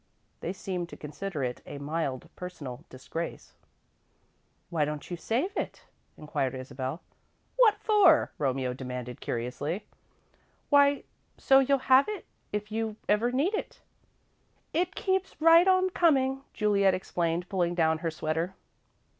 They seemed to consider it a mild personal disgrace. "Why don't you save it?" queried Isabel. "What for?" Romeo demanded, curiously. "Why, so you'll have it if you ever need it." "It keeps right on coming," Juliet explained, pulling down her sweater.